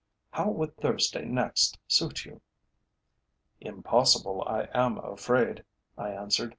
"How would Thursday next suit you?" "Impossible, I am afraid," I answered.